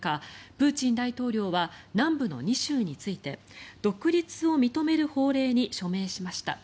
プーチン大統領は南部の２州について独立を認める法令に署名しました。